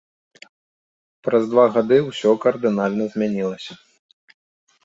Праз два гады ўсё кардынальна змянілася.